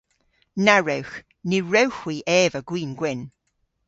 Na wrewgh. Ny wrewgh hwi eva gwin gwynn.